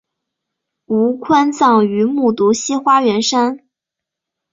吴宽葬于木渎西花园山。